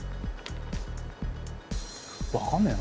分かんねえな。